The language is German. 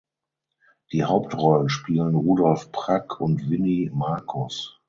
Die Hauptrollen spielen Rudolf Prack und Winnie Markus.